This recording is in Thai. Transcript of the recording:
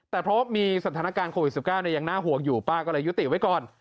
แต่เพราะมีสถานการณ์โควิด๑๙ยังน่าห่วงอยู่ป้าก็เลยยุติไว้ก่อน